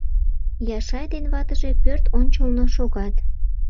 Яшай ден ватыже пӧрт ончылно шогат.